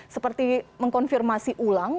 seperti mengkonfirmasi ulang